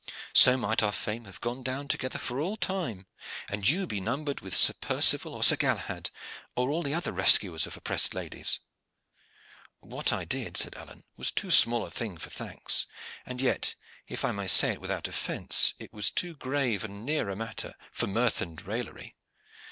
So might our fame have gone down together for all time, and you be numbered with Sir Percival or Sir Galahad, or all the other rescuers of oppressed ladies." "What I did," said Alleyne, "was too small a thing for thanks; and yet, if I may say it without offence, it was too grave and near a matter for mirth and raillery.